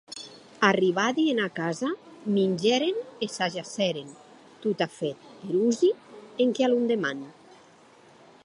Arribadi ena casa, mingèren e s’ajacèren, totafèt erosi, enquia londeman.